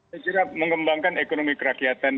saya kira mengembangkan ekonomi kerakyatan